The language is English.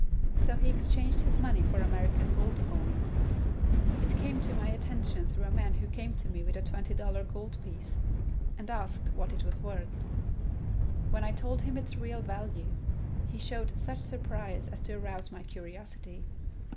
So he exchanged his money for American gold coin. It came to my attention through a man who came to me with a twenty dollar gold piece, and asked what it was worth. When I told him its real value, he showed such surprise as to arouse my curiosity.